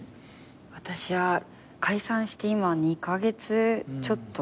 私は解散して今２カ月ちょっとたったので。